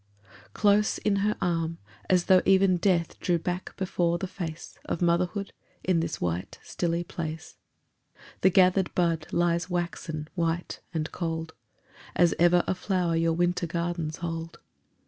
Close in her arm As though even death drew back before the face Of Motherhood in this white stilly place, The gathered bud lies waxen white and cold, As ever a flower your winter gardens hold.